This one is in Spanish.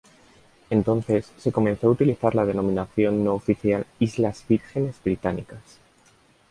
Entonces, se comenzó a utilizar la denominación no oficial "Islas Vírgenes Británicas".